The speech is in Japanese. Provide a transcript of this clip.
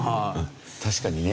確かにね。